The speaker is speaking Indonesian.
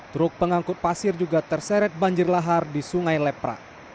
truk pengangkut pasir juga terseret banjir lahar di sungai lepra